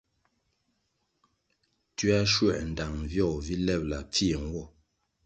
Tioa schuē ndtang vyogo vi lebʼla pfie nwo.